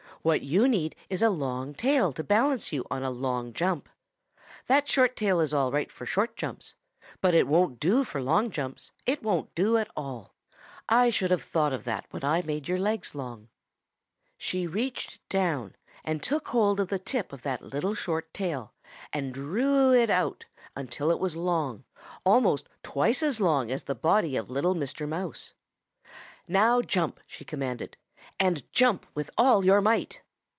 What you need is a long tail to balance you on a long jump. That short tail is all right for short jumps, but it won't do for long jumps. It won't do at all. I should have thought of that when I made your legs long.' "She reached down and took hold of the tip of that little short tail and drew it out until it was long, almost twice as long as the body of little Mr. Mouse. 'Now jump,' she commanded, 'and jump with all your might.'